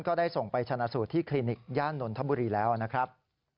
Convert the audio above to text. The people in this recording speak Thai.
ก็ได้ส่งไปชนะสูตรที่คลินิกย่านนทบุรีแล้วนะครับ